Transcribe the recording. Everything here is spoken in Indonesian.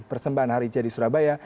kedua duanya di surabaya